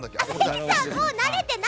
関さん、もう慣れてよ！